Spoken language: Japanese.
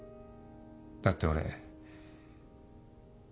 だって俺。